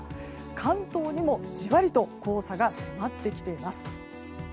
関東にもじわりと黄砂が迫ってきています。